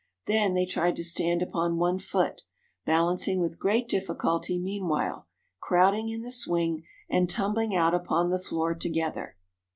Then they tried to stand upon one foot, balancing with great difficulty meanwhile, crowding into the swing and tumbling out upon the floor together.